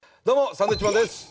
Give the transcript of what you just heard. サンドウィッチマンです。